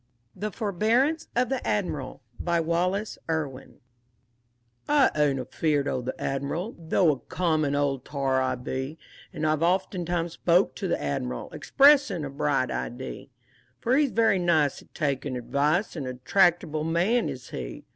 THE FORBEARANCE OF THE ADMIRAL BY WALLACE IRWIN I ain't afeard o' the Admiral, Though a common old tar I be, And I've oftentimes spoke to the Admiral Expressin' a bright idee; For he's very nice at takin' advice And a tractable man is he.